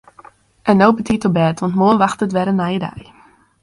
En no betiid op bêd want moarn wachtet wer in nije dei.